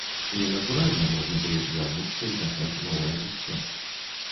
І, натуральна, можна было б вярнуцца і пачаць новае жыццё.